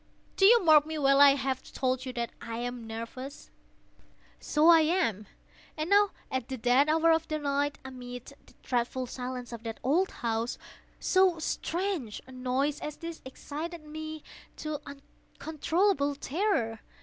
—do you mark me well? I have told you that I am nervous: so I am. And now at the dead hour of the night, amid the dreadful silence of that old house, so strange a noise as this excited me to uncontrollable terror.